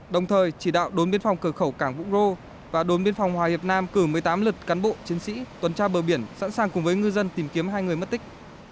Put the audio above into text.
đồng thời chỉ đạo đồn biên phòng cửa khẩu cảng vũng rô và đồn biên phòng hòa hiệp nam cử một mươi tám lượt cán bộ chiến sĩ tuần tra bờ biển sẵn sàng cùng với ngư dân tìm kiếm hai người mất tích